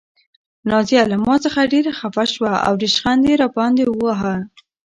نازیه له ما څخه ډېره خفه شوه او ریشخند یې راباندې واهه.